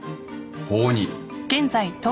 法に。